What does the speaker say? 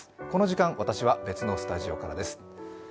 この時間、私は別のスタジオからです。